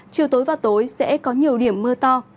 chiều tối và tối sẽ có nhiều điểm mưa to